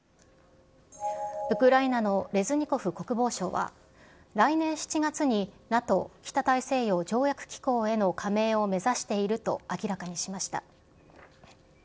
ウクライナのレズニコフ国防相は、来年７月にＮＡＴＯ・北大西洋条約機構への加盟を目指していると明らかにしました。